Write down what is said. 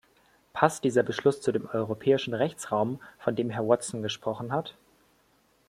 Passt dieser Beschluss zu dem Europäischen Rechtsraum, von dem Herr Watson gesprochen hat?